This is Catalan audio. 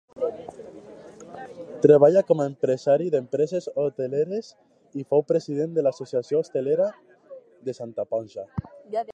Treballa com a empresari d'empreses hoteleres i fou president de l'Associació Hotelera de Santa Ponça.